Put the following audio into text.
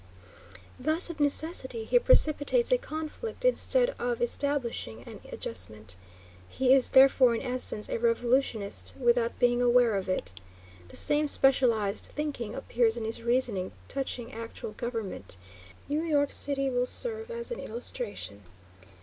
Thus, of necessity, he precipitates a conflict, instead of establishing an adjustment. He is, therefore, in essence, a revolutionist without being aware of it. The same specialized thinking appears in his reasoning touching actual government. New York City will serve as an illustration.